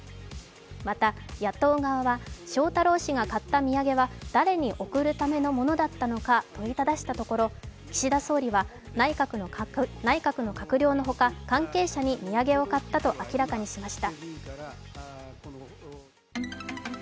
また、野党側は翔太郎氏が買った土産は誰に贈るためのものだったのか問いただしたところ岸田総理は、内閣の閣僚のほか関係者に土産を買ったと明らかにしました。